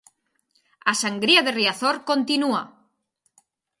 A sangría de Riazor continúa.